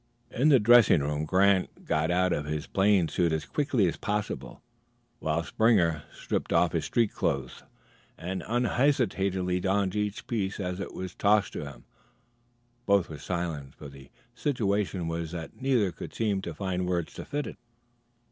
In the dressing room Grant got out of the playing suit as quickly as possible, while Springer stripped off his street clothes and unhesitatingly donned each piece as it was tossed to him. Both were silent, for the situation was such that neither could seem to find words to fit it.